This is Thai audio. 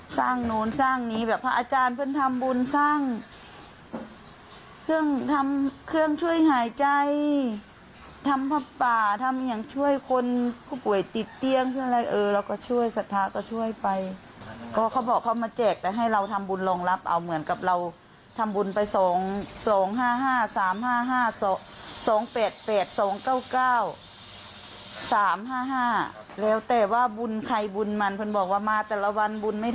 สร้างนู้นสร้างนี้แบบพระอาจารย์เพื่อนทำบุญสร้างเครื่องทำเครื่องช่วยหายใจทำภาพป่าทำอย่างช่วยคนผู้ป่วยติดเตี้ยงเพื่อนอะไรเออแล้วก็ช่วยสถาก็ช่วยไปก็เขาบอกเขามาแจกแต่ให้เราทำบุญรองรับเอาเหมือนกับเราทำบุญไปสองสองห้าห้าสามห้าห้าสองสองแปดแปดสองเก้าเก้าสามห้าห้าแล้วแต่ว่าบุญใครบุ